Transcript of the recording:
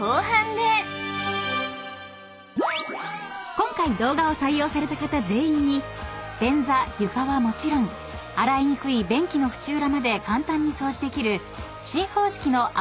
［今回動画を採用された方全員に便座床はもちろん洗いにくい便器のフチ裏まで簡単に掃除できる新方式の泡